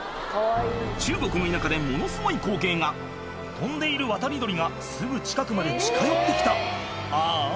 中国の田舎でものすごい光景が飛んでいる渡り鳥がすぐ近くまで近寄ってきたああ